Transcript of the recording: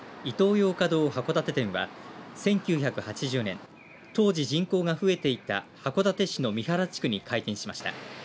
ヨーカドー函館店は１９８０年当時、人口が増えていた函館市の美原地区に開店しました。